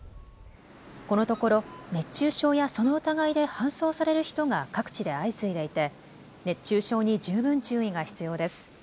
このところ熱中症やその疑いで搬送される人が各地で相次いでいて熱中症に十分注意が必要です。